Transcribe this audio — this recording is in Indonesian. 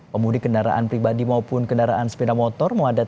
pemudik kendaraan pribadi maupun kendaraan sepeda motor